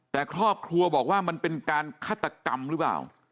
แต่ครอบครัวบอกว่ามันเป็นการฆาตกรรมหรือเปล่า